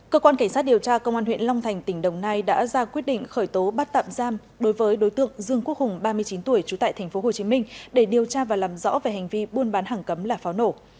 cơ quan cảnh sát điều tra công an huyện long thành tỉnh đồng nai đã ra quyết định khởi tố bắt tạm giam đối với đối tượng dương quốc hùng ba mươi chín tuổi trú tại tp hcm để điều tra và làm rõ về hành vi buôn bán hàng cấm là pháo nổ